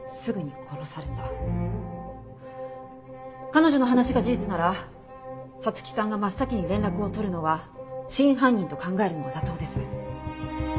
彼女の話が事実なら彩月さんが真っ先に連絡をとるのは真犯人と考えるのが妥当です。